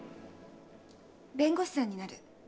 弁護士さんになる。